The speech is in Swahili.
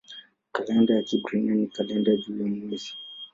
Kalenda ya Kiebrania ni kalenda jua-mwezi.